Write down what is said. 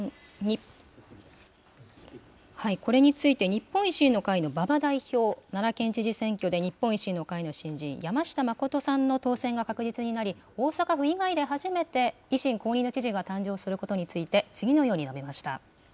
これについて、日本維新の会の馬場代表、奈良県知事選挙で日本維新の会の新人、山下真さんの当選が確実になり、大阪府以外で初めて維新公認の知事が誕生することについて、次のように述べました。